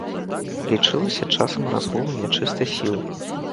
Лічылася часам разгулу нячыстай сілы.